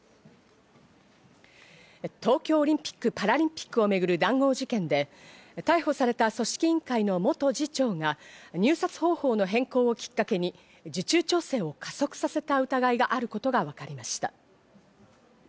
東京オリンピック・パラリンピックを巡る談合事件で、逮捕された組織委員会の元次長が入札方法の変更をきっかけに受注調整を加速させた疑いがあることがわかりました。